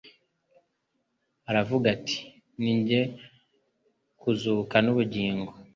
aravuga ati :« nijye kuzuka n'ubugingo. »